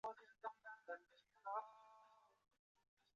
贝里也有良好的表现。